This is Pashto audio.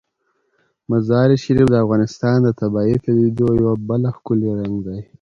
مزارشریف د افغانستان د طبیعي پدیدو یو بل ښکلی رنګ دی.